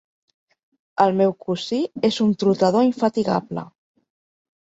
El meu cosí és un trotador infatigable.